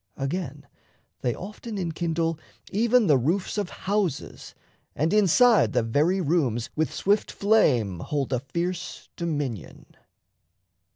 Again, they often enkindle even the roofs Of houses and inside the very rooms With swift flame hold a fierce dominion.